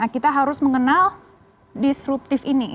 kita harus mengenal disruptif ini